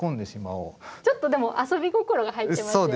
ちょっとでも遊び心が入ってますよね。